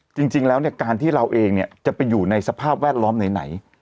จริงจริงแล้วเนี้ยการที่เราเองเนี้ยจะไปอยู่ในสภาพแวดล้อมไหนไหน